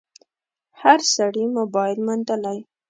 هر سړي موبایل موندلی